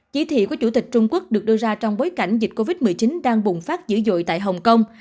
chỉ thị của chủ tịch trung quốc được đưa ra trong bối cảnh dịch covid một mươi chín đang bùng phát dữ dội tại hồng kông